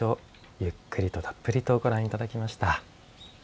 ゆっくりとたっぷりとご覧いただきました。